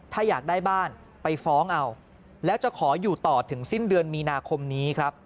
ถ้าอยากได้บ้านไปฟ้องเอาแล้วจะขออยู่ต่อถึงสิ้นเดือนมีนาคมนี้ครับ